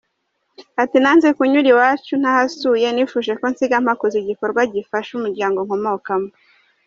Ati “Nanze kunyura iwacu ntahasuye, nifuje ko nsiga mpakoze igikorwa gifasha umuryango nkomokamo.